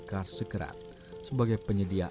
kars sekerat sebagai penyedia